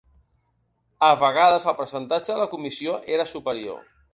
A vegades el percentatge de la comissió era superior.